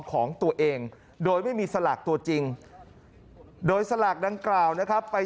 ของตัวเองโดยไม่มีสลากตัวจริงโดยสลากดังกล่าวนะครับไป